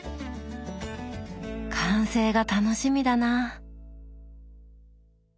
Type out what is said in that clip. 完成が楽しみだな。